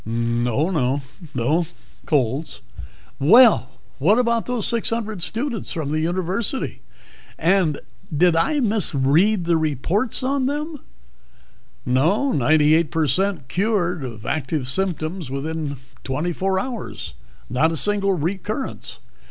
"Oh, no. No colds." "Well, what about those six hundred students from the University? Did I misread the reports on them?" "No 98 per cent cured of active symptoms within twenty four hours. Not a single recurrence.